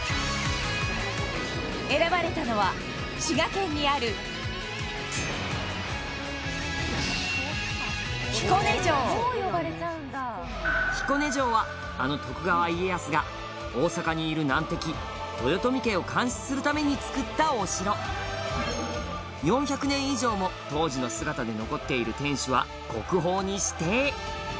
選ばれたのは滋賀県にある彦根城は、あの徳川家康が大坂にいる難敵豊臣家を監視するためにつくったお城４００年以上も当時の姿で残っている天守は国宝に指定！